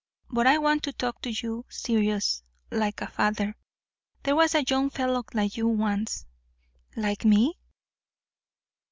But I want to talk to you serious like a father. There was a young fellow like you once " "Like me?"